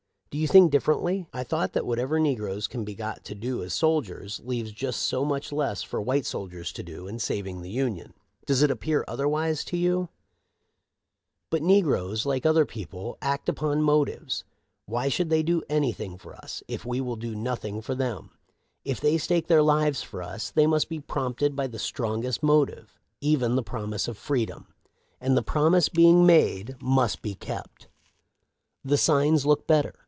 Do you think dif ferently ? I thought that whatever negroes can be got to do as soldiers leaves just so much less for white soldiers to do, in saving the Union. Does it appear otherwise to you ?" But negroes, like other people, act upon motives. Why should they do anything for us, if we will do nothing for them ? If they stake their lives for us, they must be prompted by the strongest motive — even the promise of freedom. And the promise being made, must be kept. " The signs look better.